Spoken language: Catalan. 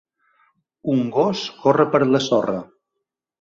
Un gos corre per la sorra.